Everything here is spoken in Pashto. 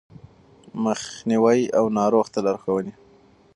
مخنيوی او ناروغ ته لارښوونې